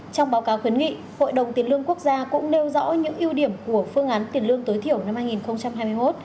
trong báo cáo khuyến nghị hội đồng tiền lương quốc gia cũng nêu rõ những ưu điểm của phương án tiền lương tối thiểu năm hai nghìn hai mươi một